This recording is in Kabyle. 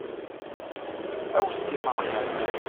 Awes imeɣban.